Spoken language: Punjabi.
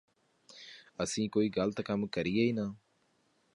ਅਸੀਂ ਕੋਈ ਗਲ਼ਤ ਕੰਮ ਕਰੀਏ ਹੀ ਨਾਂ